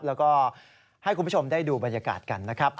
แล้วก็ให้คุณผู้ชมได้ดูบรรยากาศกันนะครับ